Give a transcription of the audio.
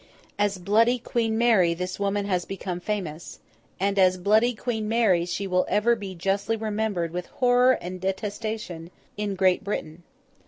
As Bloody Queen Mary, this woman has become famous, and as Bloody Queen Mary, she will ever be justly remembered with horror and detestation in Great Britain.